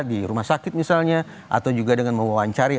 di rumah sakit misalnya atau juga dengan mewawancari